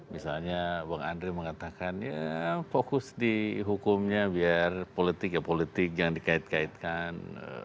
misalnya bang andre mengatakan ya fokus di hukumnya biar politik ya politik jangan dikait kaitkan